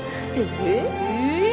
えっ？